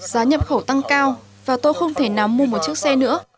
giá nhập khẩu tăng cao và tôi không thể nào mua một chiếc xe nữa